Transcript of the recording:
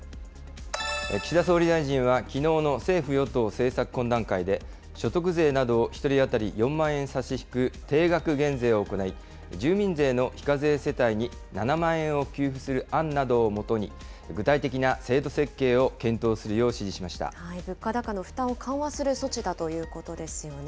岸田総理大臣は、きのうの政府与党政策懇談会で、所得税などを１人当たり４万円差し引く定額減税を行い、住民税の非課税世帯に７万円を給付する案などをもとに、具体的な制度設計を検討するよう物価高の負担を緩和する措置だということですよね。